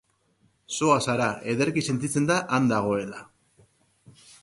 Zoaz hara, ederki sentitzen da han dagoela.